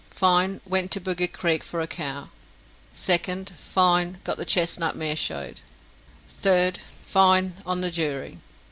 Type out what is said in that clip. Fine. Wint to boggie creak for a cow. 2nd. Fine. Got the chestnut mair shode. 3rd. Fine. On the jury.